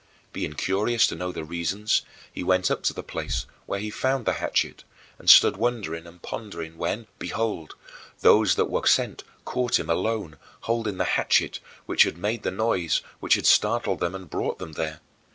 Being curious to know the reasons, he went up to the place, where he found the hatchet, and stood wondering and pondering when, behold, those that were sent caught him alone, holding the hatchet which had made the noise which had startled them and brought them there.